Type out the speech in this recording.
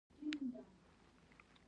فشار د زړه ناروغۍ او خپګان رامنځ ته کوي.